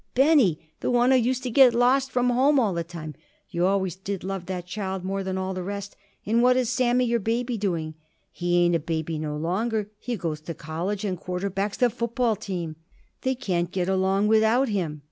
"Benny? The one who used to get lost from home all the time? You always did love that child more than all the rest. And what is Sammy your baby doing?" "He ain't a baby no longer. He goes to college and quarterbacks the football team. They can't get along without him.